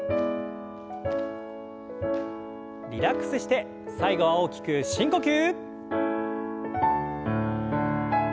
リラックスして最後は大きく深呼吸。